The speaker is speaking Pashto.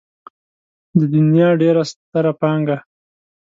د دنيا ډېره ستره پانګه.